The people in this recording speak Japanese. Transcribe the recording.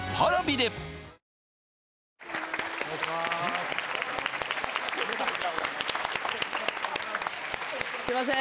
色々すいません